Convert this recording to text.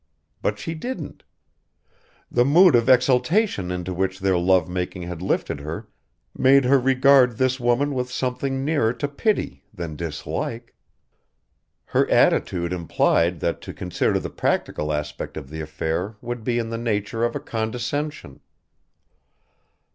But she didn't. The mood of exaltation into which their love making had lifted her made her regard this woman with something nearer to pity than dislike. Her attitude implied that to consider the practical aspect of the affair would be in the nature of a condescension.